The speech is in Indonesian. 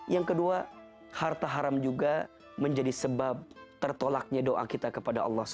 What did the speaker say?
yang kedua harta haram juga menjadi sebab tertolaknya doa kita kepada allah swt